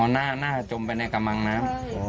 อ๋อหน้าหน้าจมไปในกำมังนะ